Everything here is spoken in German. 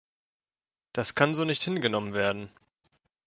Das kann so nicht hingenommen werden.